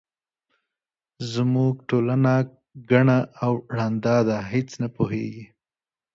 زموږ ټولنه کڼه او ړنده ده هیس نه پوهیږي.